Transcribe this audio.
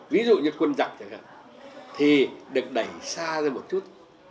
ví dụ như quân giặc chẳng hạn thì được đẩy xa hơn một chút